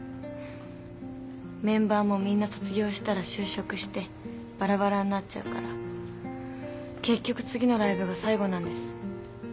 メンバーもみんな卒業したら就職してバラバラになっちゃうから結局次のライブが最後なんです。